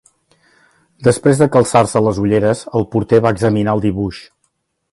Després de calçar-se les ulleres, el porter va examinar el dibuix